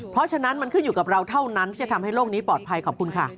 เพราะฉะนั้นมันขึ้นอยู่กับเราเท่านั้นที่จะทำให้โลกนี้ปลอดภัยขอบคุณค่ะ